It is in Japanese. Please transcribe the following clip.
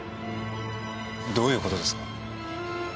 どういう事ですか？